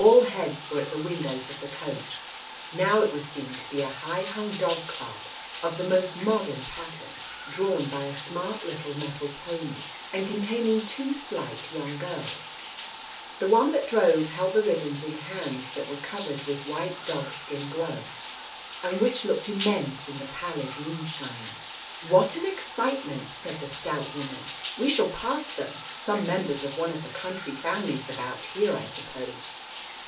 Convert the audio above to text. All heads were at the windows of the coach. ... Now it was seen to be a high hung dog cart, of the most modern pattern, drawn by a smart little mettled pony, and containing two slight young girls. ... The one that drove held the ribbons in hands that were covered with white dog skin gloves, and which looked immense in the pallid moonshine. "What an excitement !" said the stout woman. "We shall pass them. Some member of one of the country famflies abput here, I suppose."